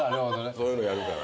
そういうのやるから。